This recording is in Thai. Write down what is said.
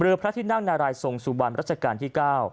พระที่นั่งนารายทรงสุบันรัชกาลที่๙